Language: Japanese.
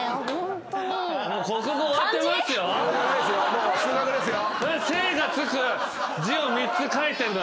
もう数学ですよ。